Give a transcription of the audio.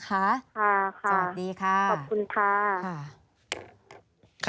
ค่ะค่ะขอบคุณค่ะสวัสดีค่ะ